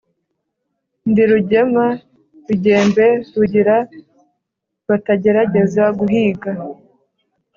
Ndi rugema bigembe, Rugira batagerageza guhiga,